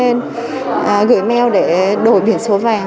để nhận được những ngày hẹn